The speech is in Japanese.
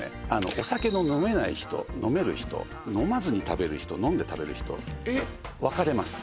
お酒の飲めない人飲める人飲まずに食べる人飲んで食べる人分かれます